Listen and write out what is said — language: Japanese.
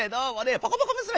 ポコポコむすめ！」。